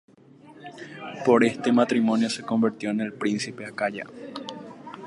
Por este matrimonio, se convirtió en príncipe de Acaya.